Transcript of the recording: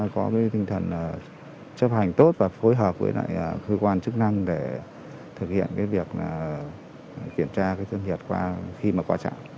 có cái tinh thần là chấp hành tốt và phối hợp với lại cơ quan chức năng để thực hiện cái việc kiểm tra cái thân nhiệt qua khi mà qua trạng